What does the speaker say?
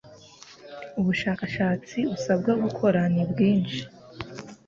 Ubushakashatsi usabwa gukora ni bwinshi